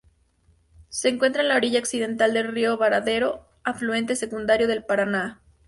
Se encuentra en la orilla occidental del río Baradero, afluente secundario del Paraná.